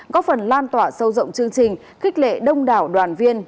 góp phần lan tỏa sâu rộng chương trình khích lệ đông đảo đoàn viên